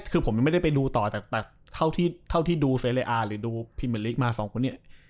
คือผมยังไม่ได้ไปดูต่อแต่เท่าที่ดูเซเลอาร์หรือดูพิเมอร์ลิกมาสองคนเนี่ย